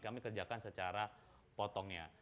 kami kerjakan secara potongnya